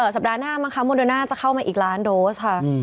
สัปดาห์หน้าบางครั้งมดนาจะเข้ามาอีกล้านโดสค่ะ